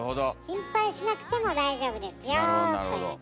心配しなくても大丈夫ですよということです。